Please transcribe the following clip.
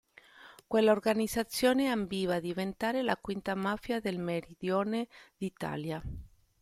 Quella organizzazione ambiva a diventare la quinta mafia del meridione d'Italia.